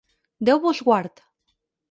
Déu vos guard!